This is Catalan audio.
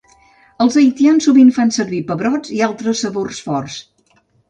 Els haitians sovint fan servir pebrots i altres sabors forts.